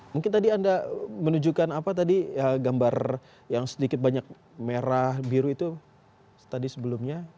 mungkin tadi anda menunjukkan apa tadi gambar yang sedikit banyak merah biru itu tadi sebelumnya